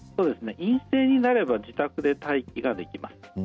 陰性になれば自宅で待機ができます。